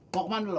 kok mandi lo